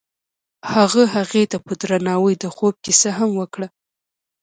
هغه هغې ته په درناوي د خوب کیسه هم وکړه.